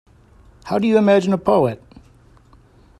How do you imagine a poet?